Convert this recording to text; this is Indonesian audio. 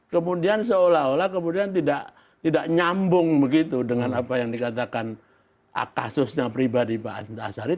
kemudian seolah olah kemudian tidak nyambung begitu dengan apa yang dikatakan kasusnya pribadi pak antasari